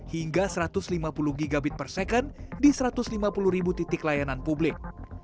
hingga satu ratus lima puluh gb per second di satu ratus lima puluh ribu titik layanan publik